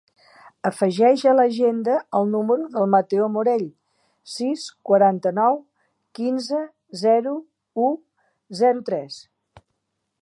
Afegeix a l'agenda el número del Mateo Morell: sis, quaranta-nou, quinze, zero, u, zero, tres.